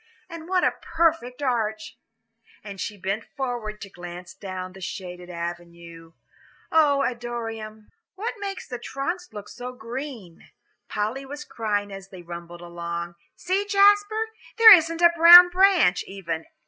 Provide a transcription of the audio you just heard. "And what a perfect arch!" And she bent forward to glance down the shaded avenue. "Oh, Adoniram!" "What makes the trunks look so green?" Polly was crying as they rumbled along. "See, Jasper, there isn't a brown branch, even.